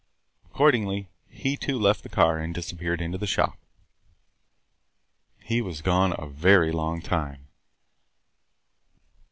Accordingly, he too left the car and disappeared into the shop. He was gone a very long time.